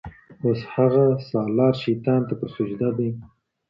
اوس هغه سالار شیطان ته پر سجده دی